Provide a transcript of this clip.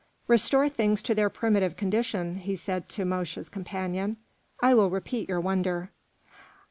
"Restore things to their primitive condition," he said to Mosche's companion; "I will repeat your wonder."